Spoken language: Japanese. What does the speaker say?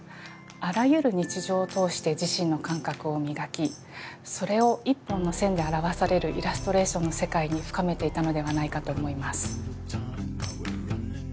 あらゆる日常を通して自身の感覚を磨きそれを一本の線で表されるイラストレーションの世界に深めていたのではないかと思います。